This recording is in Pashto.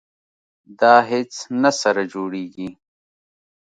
دا هیڅ نه سره جوړیږي.